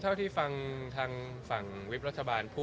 แต่ว่าในส่วนของอย่างรัฐสดรเองก็ประกาศว่าต้องรับร่างของฉบับประชาชนนะคะ